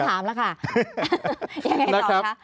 ยังไงต่อครับ